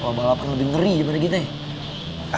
kalau balapan lebih ngeri gimana gitu ya